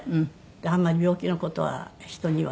あんまり病気の事は人には言わない。